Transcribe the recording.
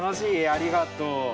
ありがとう。